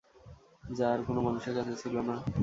যা আর কোনো মানুষের কাছে ছিল না।